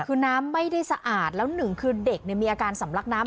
คือน้ำไม่ได้สะอาดแล้วหนึ่งคือเด็กมีอาการสำลักน้ำ